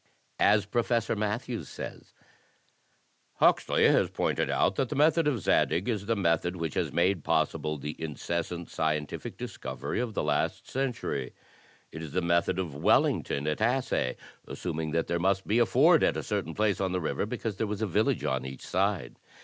As Professor Matthews says: "Huxley has pointed out that the method of Zadig is the method which has made possible the incessant scientific discovery of the last century. It is the method of Wellington at Assaye, assuming that there must be a ford at a certain place on the river because there was a village on each side.